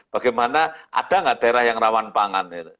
bagaimana ada nggak daerah yang rawan pangan